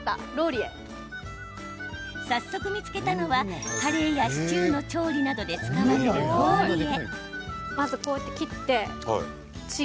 早速、見つけたのはカレーやシチューの調理などで使われるローリエ。